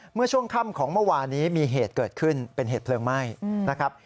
เมื่อช่วงค่ำของเมื่อวานนี้มีเหตุเกิดขึ้นเป็นเหตุเพลิงไหม้นะครับ